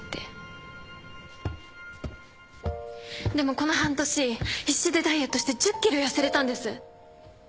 でもこの半年必死でダイエットして１０ｋｇ痩せれたんです。